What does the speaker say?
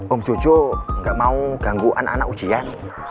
om cucu gak mau ganggu anak anak ujian